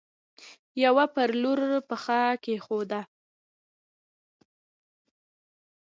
يوه پر لور پښه کيښوده.